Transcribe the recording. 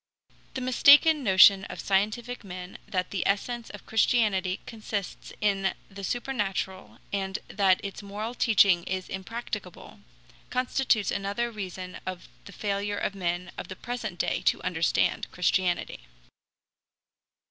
The mistaken notion of scientific men that the essence of Christianity consists in the supernatural, and that its moral teaching is impracticable, constitutes another reason of the failure of men of the present day to understand Christianity.